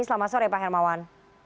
selamat sore pak hermawan